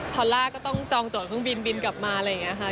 พอลลาร์ก็ต้องจองตรวจข้างบินกลับมาอะไรอย่างนี้ค่ะ